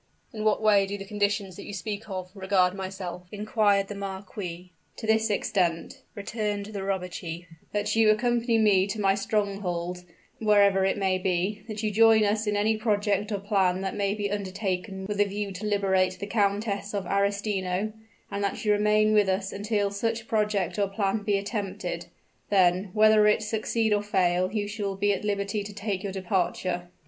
"In what way do the conditions that you speak of, regard myself?" inquired the marquis. "To this extent," returned the robber chief; "that you accompany me to my stronghold, wherever it may be; that you join us in any project or plan that may be undertaken with a view to liberate the Countess of Arestino; and that you remain with us until such project or plan be attempted; then, whether it succeed or fail, you shall be at liberty to take your departure."